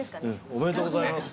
おめでとうございます。